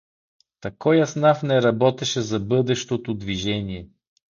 Та кой еснаф не работеше за бъдещото движение?